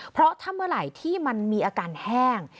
เพราะถ้าเมื่อไหร่ที่มันมีอาการแห้ง